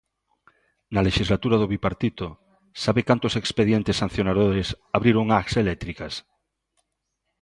Na lexislatura do Bipartito ¿sabe cantos expedientes sancionadores abriron ás eléctricas?